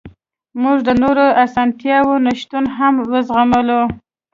موږ د نورو اسانتیاوو نشتون هم وزغملو